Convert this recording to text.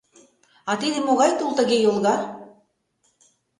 — А тиде могай тул тыге йолга?